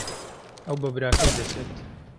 ئەو بە براکەی دەچێت.